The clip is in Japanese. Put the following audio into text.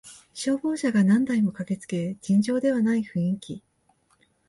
消防車が何台も駆けつけ尋常ではない雰囲気